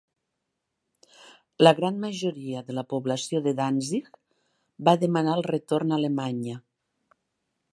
La gran majoria de la població de Danzig va demanar el retorn a Alemanya.